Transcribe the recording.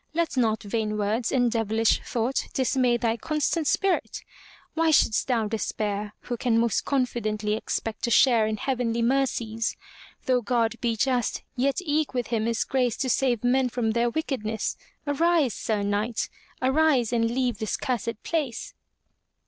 Let not vain words and devilish thought dismay thy constant spirit! Why shouldst thou despair, who can most confidently expect a share in heavenly mercies? Though God be just, yet eke with Him is grace to save men from their wicked ness. Arise, Sir Knight! Arise and leave this cursed place.'